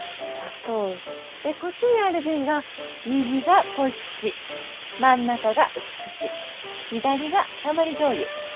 こっちにある瓶が右が濃口真ん中が薄口左がたまり醤油。